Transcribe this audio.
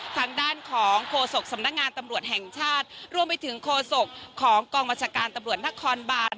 ทางด้านของโฆษกสำนักงานตำรวจแห่งชาติรวมไปถึงโคศกของกองบัญชาการตำรวจนครบาน